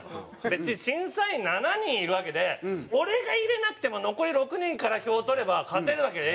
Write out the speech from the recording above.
別に審査員７人いるわけで俺が入れなくても残り６人から票取れば勝てるわけよ